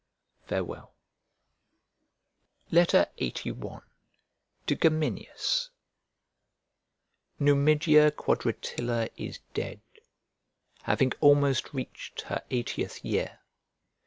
Farewell. LXXXI To GEMINIUS NUMIDIA QUADRATILLA is dead, having almost reached her eightieth year.